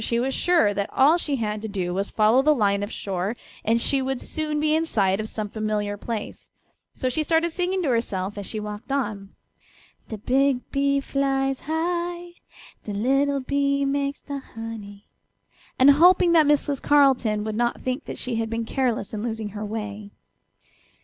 She was sure that all she had to do was to follow the line of shore and she would soon be in sight of some familiar place, so she started singing to herself as she walked on: "De big bee flies high, De little bee makes de honey," and hoping that Mrs. Carleton would not think that she had been careless in losing her way.